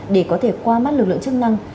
để có thể qua mắt lực lượng chức năng